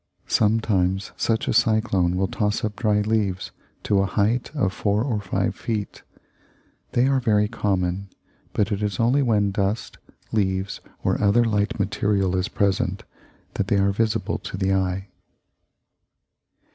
Sometimes such a cyclone will toss up dry leaves to a height of four or five feet. They are very common; but it is only when dust, leaves, or other light material is present that they are visible to the eye.